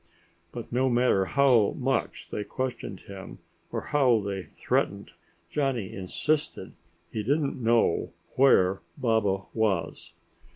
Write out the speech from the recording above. But no matter how much they questioned him or how they threatened, Johnny insisted he did not know where Baba was.